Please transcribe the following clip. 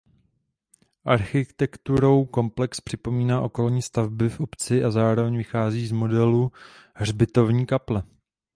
Architekturou komplex připomíná okolní stavby v obci a zároveň vychází z modelu hřbitovní kaple.